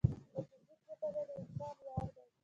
د فزیک مطالعه د انسان ویاړ دی.